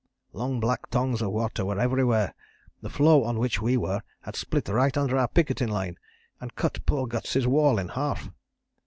Long black tongues of water were everywhere. The floe on which we were had split right under our picketing line, and cut poor Guts' wall in half.